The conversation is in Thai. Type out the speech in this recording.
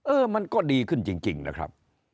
เออมันก็ดีขึ้นจริงนะครับ